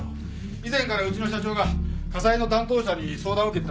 以前からうちの社長が家裁の担当者に相談を受けてたんですって。